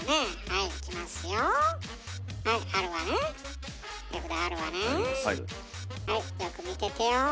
はいよく見ててよ。